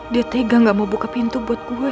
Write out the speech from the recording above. dia tega gak mau buka pintu buat gue